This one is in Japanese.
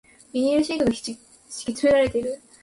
ビニールシートが敷き詰められている